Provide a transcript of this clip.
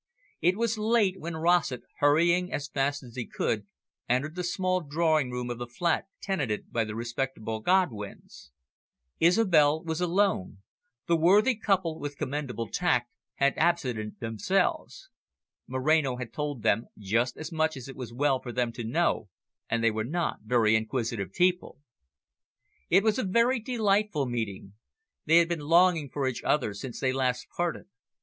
It was late when Rossett, hurrying as fast as he could, entered the small drawing room of the flat tenanted by the respectable Godwins. Isobel was alone; the worthy couple, with commendable tact, had absented themselves. Moreno had told them just as much as it was well for them to know, and they were not very inquisitive people. It was a very delightful meeting. They had been longing for each other since they last parted.